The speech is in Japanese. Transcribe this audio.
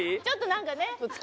ちょっとなんかね。